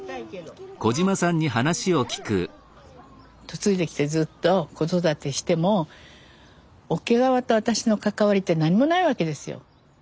嫁いできてずっと子育てしても桶川と私の関わりって何もないわけですよ。